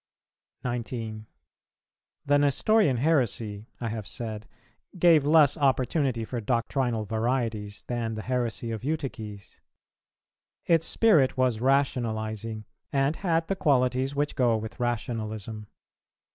19. The Nestorian heresy, I have said, gave less opportunity for doctrinal varieties than the heresy of Eutyches. Its spirit was rationalizing, and had the qualities which go with rationalism.